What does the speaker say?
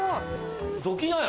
「どきなよ！」。